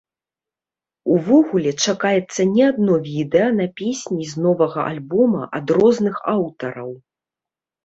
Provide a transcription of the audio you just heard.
Увогуле, чакаецца не адно відэа на песні з новага альбома ад розных аўтараў.